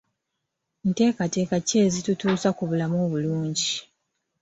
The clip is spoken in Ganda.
Nteekateeka ki ezitutuusa ku bulamu obulungi?